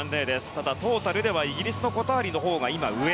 ただトータルではイギリスのコターリのほうが上。